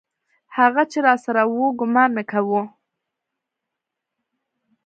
هغه چې راسره و ګومان مې کاوه.